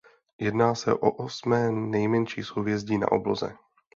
Jedná se o osmé nejmenší souhvězdí na obloze.